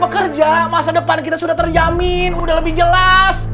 kita bekerja masa depan kita sudah terjamin sudah lebih jelas